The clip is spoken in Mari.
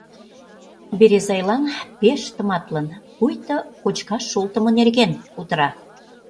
Березайлан пеш тыматлын, пуйто кочкаш шолтымо нерген кутыра.